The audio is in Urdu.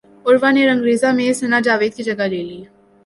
عروہ نے رنگریزا میں ثناء جاوید کی جگہ لے لی